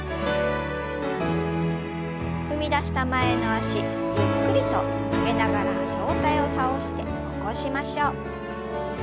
踏み出した前の脚ゆっくりと曲げながら上体を倒して起こしましょう。